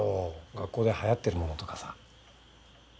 学校ではやってる物とかさ。